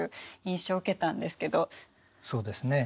そうですね。